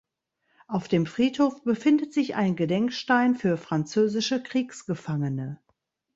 Auf dem Friedhof befindet sich ein Gedenkstein für französische Kriegsgefangene.